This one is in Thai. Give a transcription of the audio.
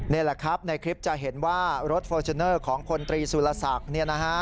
นี่แหละครับในคลิปจะเห็นว่ารถฟอร์จูนเนอร์ของคนตรีสุรษักรณ์